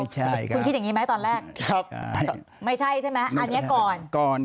ใช่คุณคิดอย่างนี้ไหมตอนแรกไม่ใช่ใช่ไหมอันนี้ก่อนก่อน